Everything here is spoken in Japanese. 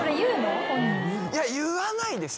いや言わないです